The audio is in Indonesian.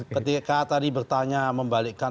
ketika tadi bertanya membalikkan